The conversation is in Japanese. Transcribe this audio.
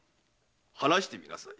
話してみなさい。